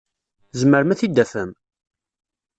Tzemrem ad t-id-tafem?